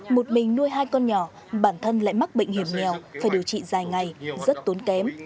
một mình nuôi hai con nhỏ bản thân lại mắc bệnh hiểm nghèo phải điều trị dài ngày rất tốn kém